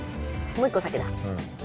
もう１個先だ。